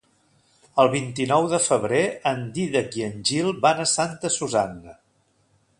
El vint-i-nou de febrer en Dídac i en Gil van a Santa Susanna.